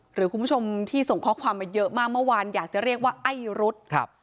หรือคุณผู้ชมที่ส่งข้อความมาเยอะมากเมื่อวานอยากจะเรียกว่าไอ้รุ๊ดครับ